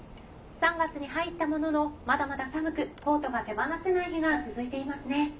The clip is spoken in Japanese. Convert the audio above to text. ３月に入ったもののまだまだ寒くコートが手放せない日が続いていますね。